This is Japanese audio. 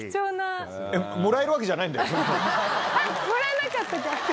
あっ！もらえなかったか。